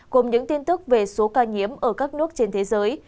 cùng những tin tức về số ca nhiễm ở các nước trên thế giới